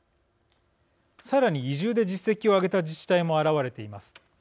さらに移住で実績を挙げた自治体も現れています。